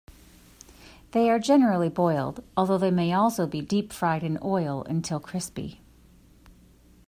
They are generally boiled, although they may also be deep-fried in oil until crispy.